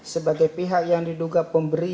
sebagai pihak yang diduga pemberi